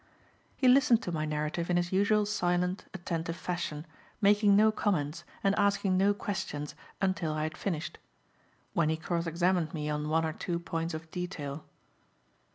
He listened to my narrative in his usual silent, attentive fashion, making no comments and asking no questions until I had finished; when he cross examined me on one or two points of detail.